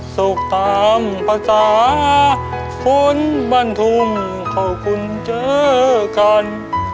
สุขตามภาษาฝนบรรทุมขอบคุณเจอกัน